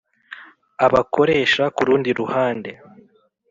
abakoresha ku rundi ruhande